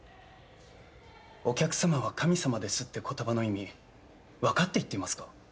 「お客さまは神様です」って言葉の意味分かって言ってますか？